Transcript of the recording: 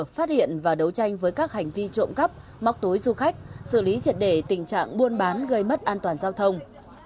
phát hiện và đấu tranh với các hành vi trộm cắp móc túi du khách xử lý triệt để tình trạng buôn bán gây mất an toàn giao thông